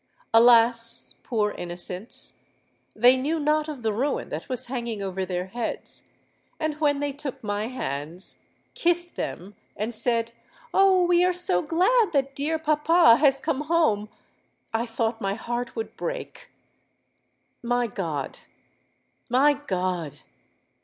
Alas! poor innocents, they knew not of the ruin that was hanging over their heads; and when they took my hands—kissed them—and said, 'Oh! we are so glad that dear papa has come home!'—I thought my heart would break. My God! my God!